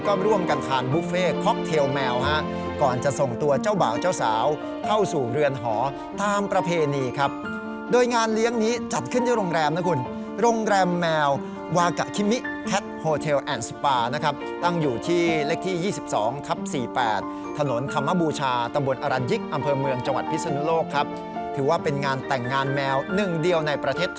ก็ร่วมกันทานบุฟเฟ่ค็อกเทลแมวฮะก่อนจะส่งตัวเจ้าบ่าวเจ้าสาวเข้าสู่เรือนหอตามประเพณีครับโดยงานเลี้ยงนี้จัดขึ้นที่โรงแรมนะคุณโรงแรมแมววากะคิมิแคทโฮเทลแอนด์สปานะครับตั้งอยู่ที่เลขที่๒๒ทับ๔๘ถนนธรรมบูชาตำบลอรัญยิกอำเภอเมืองจังหวัดพิศนุโลกครับถือว่าเป็นงานแต่งงานแมวหนึ่งเดียวในประเทศ